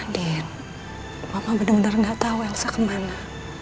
din mama bener bener gak tau elsa kemana